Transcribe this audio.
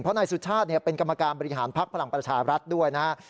เพราะนายสุชาติเป็นกรรมการบริหารภักดิ์พลังประชารัฐด้วยนะครับ